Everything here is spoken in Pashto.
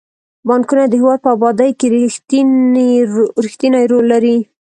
بانکونه د هیواد په ابادۍ کې رښتینی رول لري.